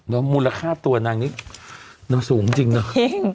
แล้วมูลค่าตัวนางนี้นางสูงจริงเนอะ